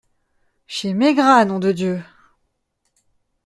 Chez Maigrat, nom de Dieu !…